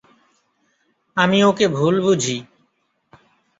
আমি ওকে ভুল বুঝি।